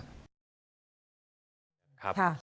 ครับ